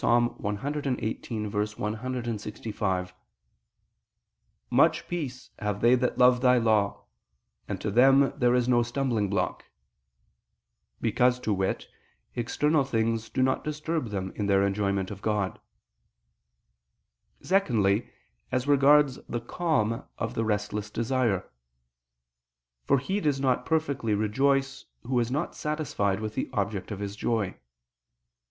118:165): "Much peace have they that love Thy Law, and to them there is no stumbling block," because, to wit, external things do not disturb them in their enjoyment of God. Secondly, as regards the calm of the restless desire: for he does not perfectly rejoice, who is not satisfied with the object of his joy.